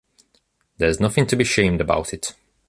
There’s nothing to be shamed about it.